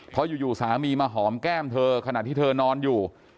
เพราะอยู่สามีมาหอมแก้มเธอขณะที่เธอนอนอยู่